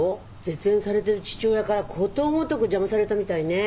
絶縁されてる父親からことごとく邪魔されたみたいね。